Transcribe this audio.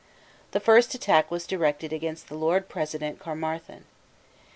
The first attack was directed against the Lord President Caermarthen.